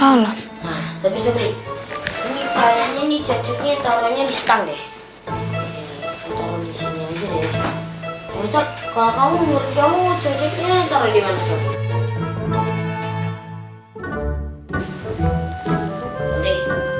kalau kamu murid kamu cocoknya taruh dimana sobrie